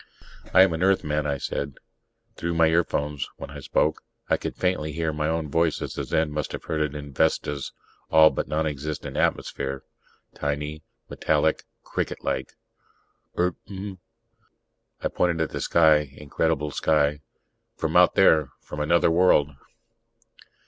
"I am an Earthman," I said. Through my earphones, when I spoke, I could faintly hear my own voice as the Zen must have heard it in Vesta's all but nonexistent atmosphere: tiny, metallic, cricket like. "Eert ... mn?" I pointed at the sky, the incredible sky. "From out there. From another world."